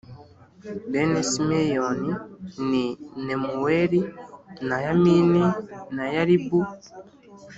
Bene Simiyoni ni Nemuweli na Yamini na Yaribu